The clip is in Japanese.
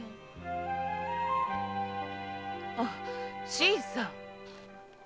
新さん！